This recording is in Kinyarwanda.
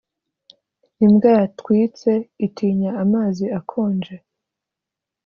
imbwa yatwitse itinya amazi akonje.